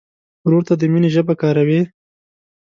ورور ته د مینې ژبه کاروې.